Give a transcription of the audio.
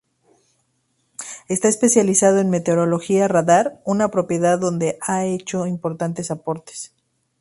Está especializado en meteorología radar, una propiedad donde ha hecho importantes aportes.